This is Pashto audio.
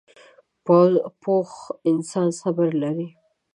پوخ انسان صبر لري